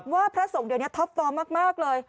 พระสงฆ์เดี๋ยวนี้ท็อปฟอร์มมากเลย